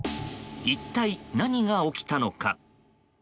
一体何が起きたのか。